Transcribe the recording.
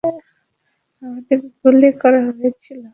আমাদের গুলি করা হয়েছিলো।